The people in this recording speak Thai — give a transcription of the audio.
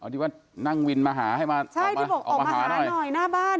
ที่ว่านั่งวินมาหาให้มาใช่ที่บอกออกมาหาอะไรหน่อยหน้าบ้าน